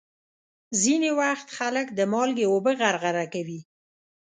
ځینې وخت خلک د مالګې اوبه غرغره کوي.